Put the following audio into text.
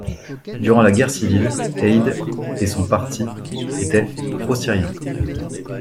Durant la guerre civile, Eid et son parti étaient prosyriens.